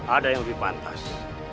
ada yang lebih pantas